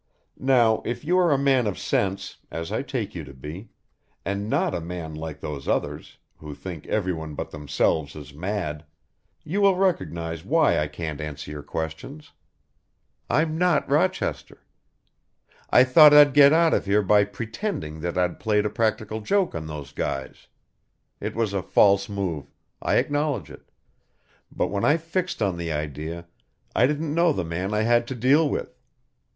Now if you are a man of sense, as I take you to be, and not a man like those others, who think everyone but themselves is mad, you will recognize why I can't answer your questions. I'm not Rochester. I thought I'd get out of here by pretending that I'd played a practical joke on those guys; it was a false move, I acknowledge it, but when I fixed on the idea, I didn't know the man I had to deal with.